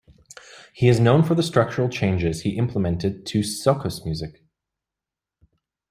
He is known for the structural changes he implemented to soukous music.